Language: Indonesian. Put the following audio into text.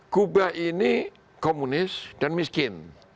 kuba ini komunis dan miskin